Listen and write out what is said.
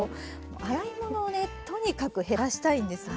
洗い物をねとにかく減らしたいんですね。